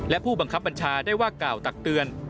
และผู้บังคับบัญชาได้ว่ากล่าวตักเตือน